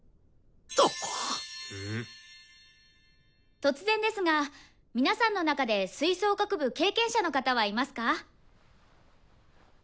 突然ですが皆さんの中で吹奏楽部経験者の方はいますか？